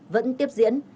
vẫn tiếp diễn